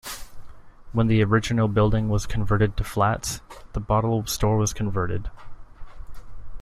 When the original building was converted to flats, the bottle store was converted.